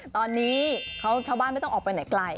ตอนนี้ชาวบ้านไม่ต้องออกไปไหนไกล